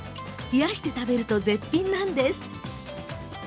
冷やして食べると絶品なんです。